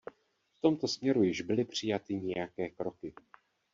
V tomto směru již byly přijaty nějaké kroky.